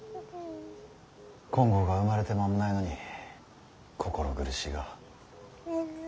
金剛が生まれて間もないのに心苦しいが。